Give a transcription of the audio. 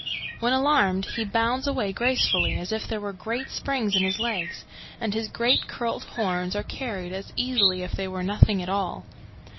"When alarmed he bounds away gracefully as if there were great springs in his legs, and his great curled horns are carried as easily as if they were nothing at all.